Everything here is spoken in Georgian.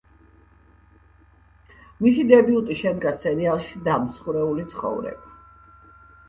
მისი დებიუტი შედგა სერიალში „დამსხვრეული ცხოვრება“.